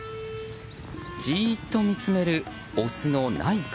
じーっと見つめる、オスのナイ君。